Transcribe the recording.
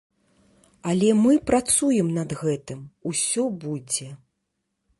Але мы працуем над гэтым, усё будзе.